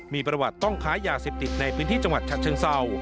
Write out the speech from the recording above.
มีประวัติต้องค้ายาเสพติดในพื้นที่จังหวัดฉะเชิงเศร้า